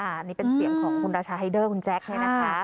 อันนี้เป็นเสียงของคุณราชาไฮเดอร์คุณแจ๊คเนี่ยนะคะ